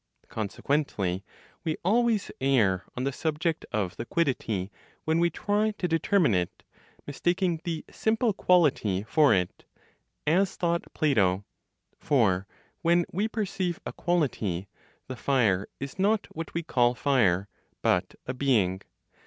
Consequently, we always err on the subject of the quiddity, when we try to determine it, mistaking the simple quality for it (as thought Plato), for, when we perceive a quality, the fire is not what we call fire, but a being.